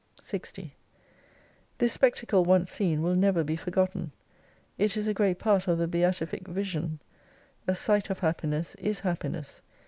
60 This spectacle once seen, will never be forgotten. It is a great part of the beatific vision. A sight of Happiness is Happiness.